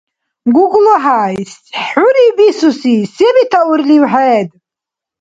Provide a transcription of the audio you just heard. ГуглахӀяй, хӀурив бисуси, се бетаурлив хӀед?